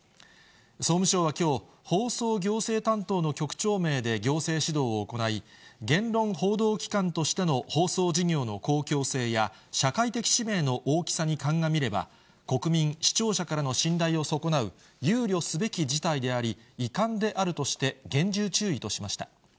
総務省はきょう、放送行政担当の局長名で行政指導を行い、言論報道機関としての放送事業の公共性や社会的使命の大きさに鑑みれば、国民・視聴者からの信頼を損なう憂慮すべき事態であり遺憾であるとして、厳重注意としました。